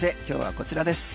こちらです。